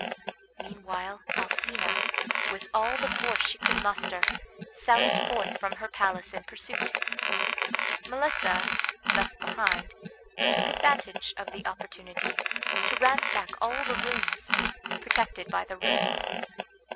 Meanwhile Alcina, with all the force she could muster, sallied forth from her palace in pursuit. Melissa, left behind, took advantage of the opportunity to ransack all the rooms, protected by the ring.